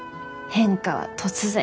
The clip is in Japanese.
変化は突然？